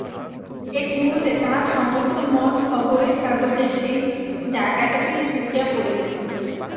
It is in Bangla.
এক মুহূর্তে তাহার সমস্ত মন খবরের কাগজের সেই জায়গাটাতেই ঝুঁকিয়া পড়িল।